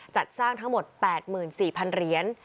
จัดสร้างทั้งหมด๘๔๐๐เหรียญ